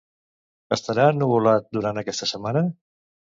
Estarà ennuvolat durant aquesta setmana?